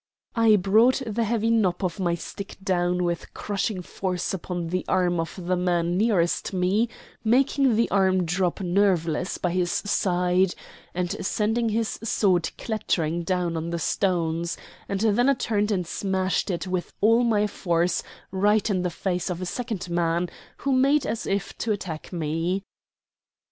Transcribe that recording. I brought the heavy knob of my stick down with crushing force upon the arm of the man nearest me, making the arm drop nerveless by his side, and sending his sword clattering down on the stones; and then I turned and smashed it with all my force right into the face of a second man who made as if to attack me.